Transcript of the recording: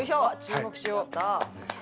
注目しよう。